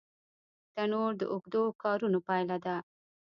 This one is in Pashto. تنور د اوږدو کارونو پایله ده